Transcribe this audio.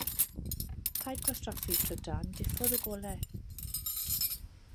Paid gwastraffu trydan, diffodd y golau.